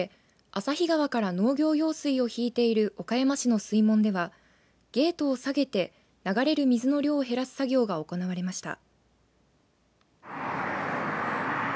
旭川から農業用水を引いている岡山市の水門ではゲートを下げて流れる水の量を減らす作業が行われました。